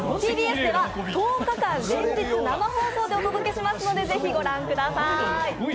ＴＢＳでは１０日間、連日生放送でお届けしますのでぜひ御覧ください。